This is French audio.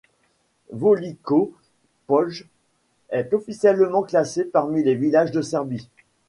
Veliko Polje est officiellement classé parmi les villages de Serbie.